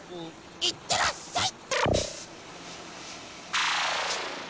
いってらっしゃい！